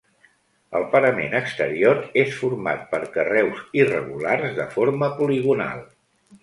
El parament exterior és format per carreus irregulars de forma poligonal.